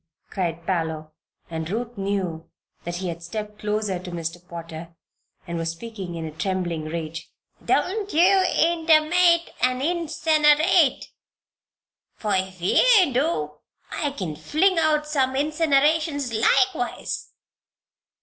cried Parloe, and Ruth knew that he had stepped closer to Mr. Potter, and was speaking in a trembling rage. "Don't ye intermate an' insinerate; for if ye do, I kin fling out some insinerations likewise.